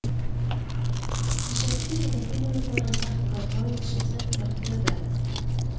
د شخصي هدفونو لپاره سخت کار کول د شخصیت پراختیا ده.